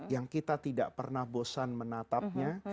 yang kita tidak pernah bosan menatapnya